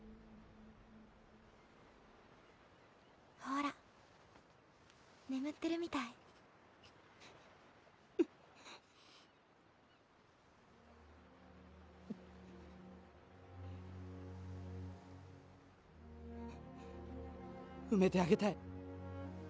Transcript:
ほら眠ってるみたい埋めてあげたい